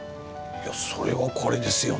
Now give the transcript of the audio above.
それはこれですよね。